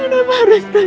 kenapa harus roi